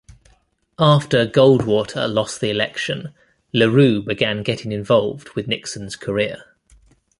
After Goldwater lost the election, LaRue began getting involved with Nixon's career.